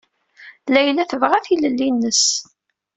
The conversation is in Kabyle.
Layla tebɣa tilelli-nnes.